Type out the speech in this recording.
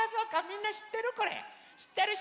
みんなしってる？